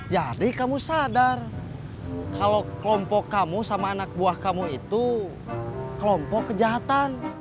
jadi kamu sadar kalau kelompok kamu sama anak buah kamu itu kelompok kejahatan